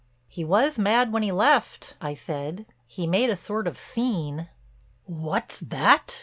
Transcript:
"He was mad when he left," I said. "He made a sort of scene." "What's that?"